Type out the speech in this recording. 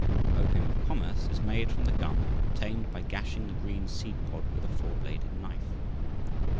The opium of commerce is made from the gum obtained by gashing the green seed pod with a four bladed knife.